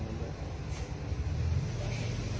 ติดลูกคลุม